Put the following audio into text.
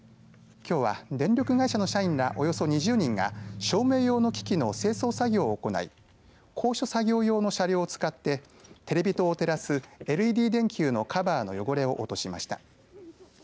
きょうは、電力会社の社員らおよそ２０人が照明用の機器の清掃作業を行い高所作業用の車両を使ってテレビ塔を照らすＬＥＤ電球のカバーの汚れを落としました。